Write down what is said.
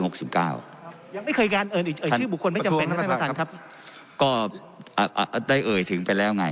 ยังไม่เคยกลามเอ๋ยชื่อบุคคลไปแล้วไงก็ได้เอ๋ยถึงแล้วไง